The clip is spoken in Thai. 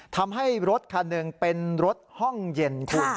ทำให้รถคันหนึ่งเป็นรถห้องเย็นคุณ